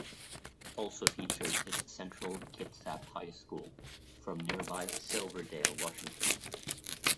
Also featured is Central Kitsap High School, from nearby Silverdale, Washington.